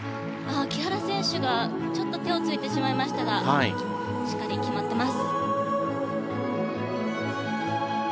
木原選手がちょっと手をついてしまいましたがしっかり決まっています。